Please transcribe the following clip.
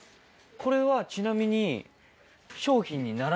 これはちなみに。